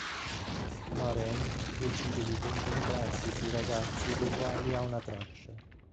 Moiraine decide di concentrarsi sui ragazzi dei quali ha una traccia.